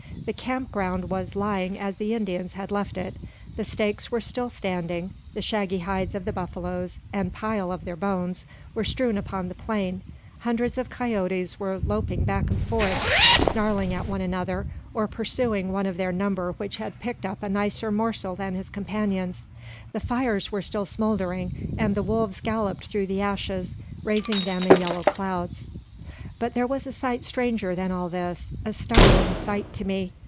The camp ground was lying as the Indians had left it. The stakes were still standing; the shaggy hides of the buffaloes, and pile of their bones, were strewn upon the plain; hundreds of coyotes were loping back and forward, snarling at one another, or pursuing one of their number which had picked up a nicer morsel than his companions. The fires were still smouldering, and the wolves galloped through the ashes, raising them in yellow clouds. But there was a sight stranger than all this, a startling sight to me.